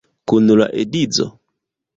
Kun la edzo?